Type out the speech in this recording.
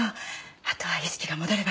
あとは意識が戻れば。